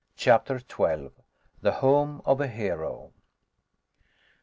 CHAPTER XII. THE HOME OF A HERO.